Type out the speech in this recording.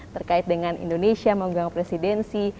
terkait dengan indonesia memegang presidensi